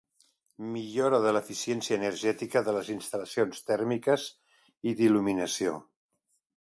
Millora de l'eficiència energètica de les instal·lacions tèrmiques i d'il·luminació.